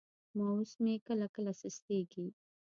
ماوس مې کله کله سستېږي.